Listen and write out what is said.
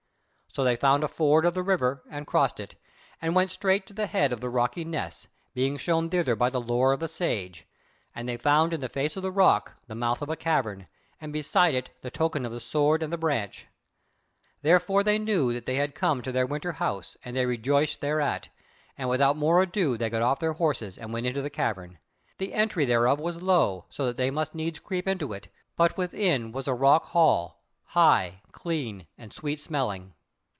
So they found a ford of the river and crossed it, and went straight to the head of the rocky ness, being shown thither by the lore of the Sage, and they found in the face of the rock the mouth of a cavern, and beside it the token of the sword and the branch. Therefore they knew that they had come to their winter house, and they rejoiced thereat, and without more ado they got off their horses and went into the cavern. The entry thereof was low, so that they must needs creep into it, but within it was a rock hall, high, clean and sweet smelling.